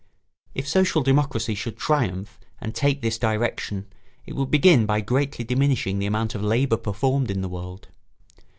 If social democracy should triumph and take this direction it would begin by greatly diminishing the amount of labour performed in the world.